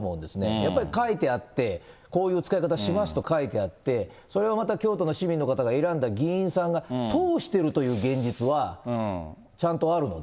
やっぱり書いてあって、こういう使い方しますと書いてあって、それがまた京都の市民の方が選んだ議員さんが通してるという現実は、ちゃんとあるので。